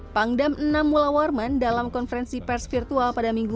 pangdam enam mula warman dalam konferensi pers virtual pada minggu